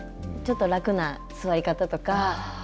ちょっと楽な座り方とか。